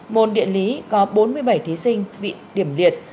môn điện lý có bốn mươi bảy thí sinh bị điểm liệt